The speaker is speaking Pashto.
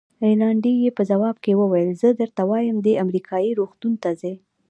رینالډي یې په ځواب کې وویل: زه درته وایم، دی امریکایي روغتون ته ځي.